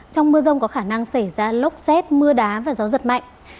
trong mưa rông có khả năng xảy ra lốc xét mưa đá và gió giật mạnh